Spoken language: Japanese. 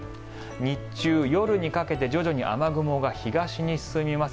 日中、夜にかけて徐々に雨雲が東に進みます。